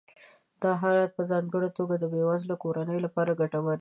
دا حالت په ځانګړې توګه د بې وزله کورنیو لپاره ګټور دی